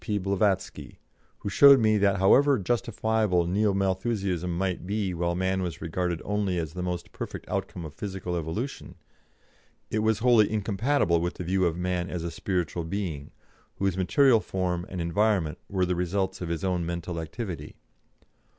P. Blavatsky, who showed me that however justifiable Neo Malthusianism might be while man was regarded only as the most perfect outcome of physical evolution, it was wholly incompatible with the view of man as a spiritual being, whose material form and environment were the results of his own mental activity.